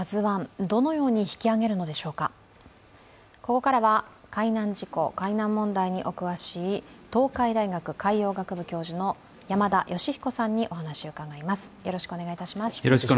ここからは海難事故海難問題にお詳しい東海大学海洋学部教授の山田吉彦さんにお話を伺います。